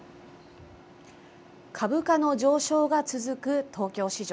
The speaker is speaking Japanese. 株価の上昇が続く東京市場。